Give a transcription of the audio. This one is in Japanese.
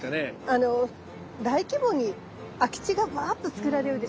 あの大規模に空き地がバーッとつくられるでしょ。